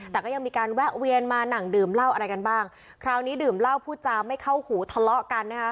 แต่ก็ยังมีการแวะเวียนมาหนังดื่มเหล้าอะไรกันบ้างคราวนี้ดื่มเหล้าพูดจาไม่เข้าหูทะเลาะกันนะคะ